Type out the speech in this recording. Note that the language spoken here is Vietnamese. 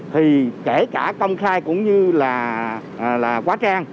thì kể cả công khai cũng như là quá trang